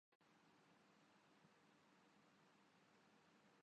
شہر کے سارے معززین کشمیر جا چکے ہیں۔